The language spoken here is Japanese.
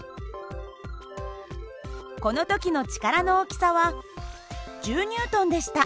この時の力の大きさは１０Ｎでした。